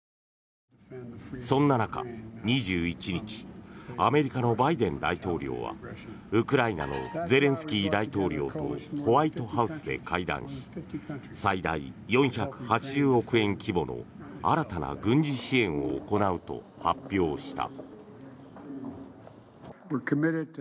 そんな中、２１日アメリカのバイデン大統領はウクライナのゼレンスキー大統領とホワイトハウスで会談し最大４８０億円規模の新たな軍事支援を行うと発表した。